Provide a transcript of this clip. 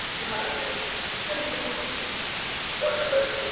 چي به د اور له پاسه اور راځي؛